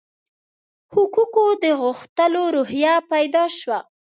حقوقو د غوښتلو روحیه پیدا شوه.